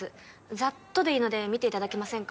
ざっとでいいので見ていただけませんか？